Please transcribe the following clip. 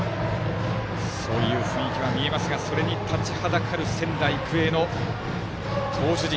そういう雰囲気は見えますがそれに立ちはだかる仙台育英の投手陣。